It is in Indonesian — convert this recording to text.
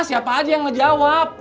siapa aja yang ngejawab